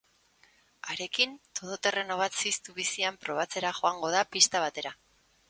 Harekin, todoterreno bat ziztu bizian probatzera joango da pista batera.